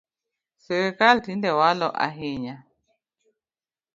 Sirkal tinde walo ahinya